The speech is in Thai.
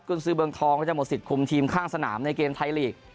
คุณซื้อเมืองทองก็จะหมดสิทธิคุมทีมข้างสนามในเกมไทยลีก